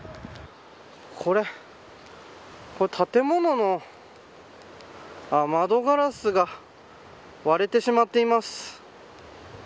これ、建物の窓ガラスが割れてしまっています。